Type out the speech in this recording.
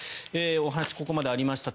お話、ここまでありました